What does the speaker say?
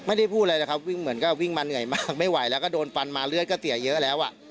ไม่ได้พูดอะไรนะครับวิ่งเหมือนก็วิ่งมาเหนื่อยมากไม่ไหวแล้วก็โดนฟันมาเลือดก็เสียเยอะแล้วอ่ะ